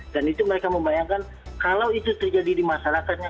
dan itu mereka membayangkan kalau itu terjadi di masyarakatnya